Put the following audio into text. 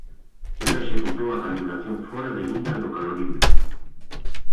Ela executou a calibración fóra de liña do calorímetro.